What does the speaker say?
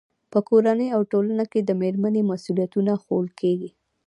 په کورنۍ او ټولنه کې د مېرمنې مسؤلیتونه ښوول کېږي.